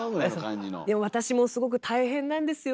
も私もすごく大変なんですよ